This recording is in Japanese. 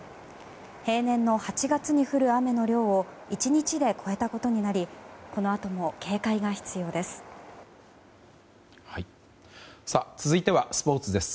平年の８月に降る雨の量を１日で超えたことになりこのあとも警戒が必要です。